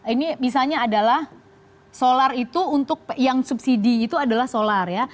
ini misalnya adalah solar itu untuk yang subsidi itu adalah solar ya